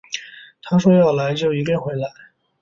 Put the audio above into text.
他说要来就一定会来